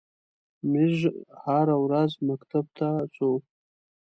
میږ هره ورځ مکتب ته څو.